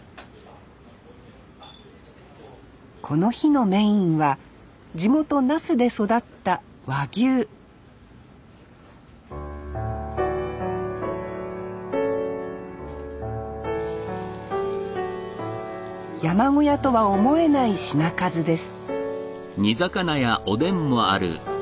この日のメインは地元那須で育った和牛山小屋とは思えない品数です